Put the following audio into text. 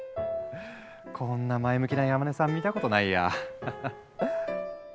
こんな前向きな山根さん見たことないや。